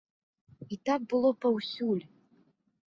І так было паўсюль!